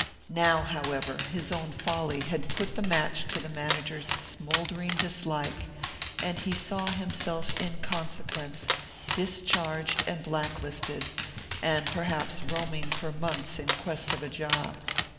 Now, however, his own folly had put the match to the manager's smouldering dislike, and he saw himself, in consequence, discharged and black listed, and perhaps roaming for months in quest of a job.